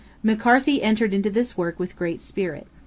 McCarthy entered into this work with great spirit.